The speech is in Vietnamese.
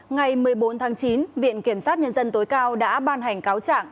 ngày một mươi bốn tháng chín viện kiểm sát nhân dân tối cao đã ban hành cáo trạng